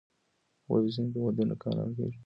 ولې ځینې ودونه ناکامیږي؟